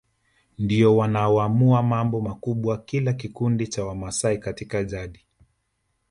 ndio wanaoamua mambo makubwa kila kikundi cha Wamasai Katika jadi